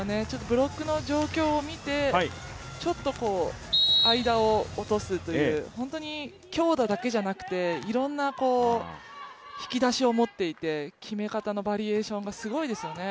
ブロックの状況を見てちょっと間を落とすという、本当に強打だけじゃなくて、いろんな引き出しを持っていて、決め方のバリエーションがすごいですよね。